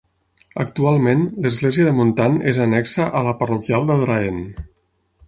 Actualment, l'església de Montan és annexa a la parroquial d'Adraén.